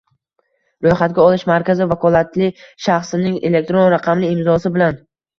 ro‘yxatga olish markazi vakolatli shaxsining elektron raqamli imzosi bilan